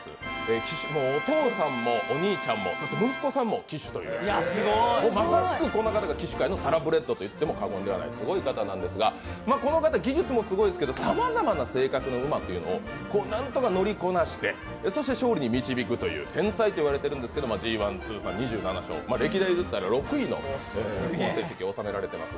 騎手のお父さんもお兄ちゃんも、そして息子さんも騎手というまさしくこの方が旗手界のサラブレッドと言ってもいいすごい方なんですけどこの方、技術もすごいんですけどさまざまな性格の馬を乗りこなして勝利に導くという天才と言われているんですけれども、ＧⅠで通算２７勝、歴代でいったら６位の成績を収められています。